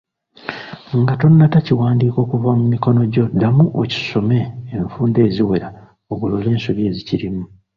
Nga tonnata kiwandiiko kuva mu mikono gyo ddamu okisomemu enfunda eziwera ogolole ensobi ezikirimu.